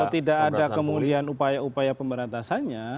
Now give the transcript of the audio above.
kalau tidak ada kemudian upaya upaya pemberantasannya